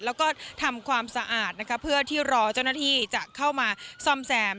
แล้วก็ทำความสะอาดนะคะเพื่อที่รอเจ้าหน้าที่จะเข้ามาซ่อมแซม